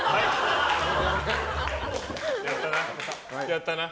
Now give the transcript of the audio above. やったな。